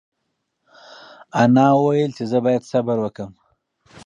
انا وویل چې زه باید صبر وکړم.